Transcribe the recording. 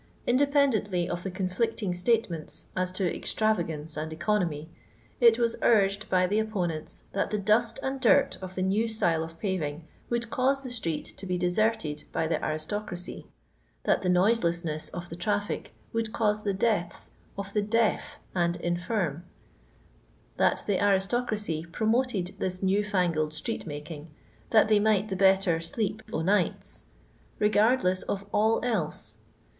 IndapendttiUy of the conflicting statements as to extnwaganoe and economy, it was urged by the oppoBSBt^ Ihat the dust and dirt of the new style of paving would cause the street to be deserted by the aastoaacy— that khenoiselessness of the traffic woald caasa the daaths of the deaf and iufirm— that tha adstocacy piomoted this Aaw fapoM stfaet nvikiag, that ihay might the better "aEsep o' nighu^'* MfMUaia of .all else.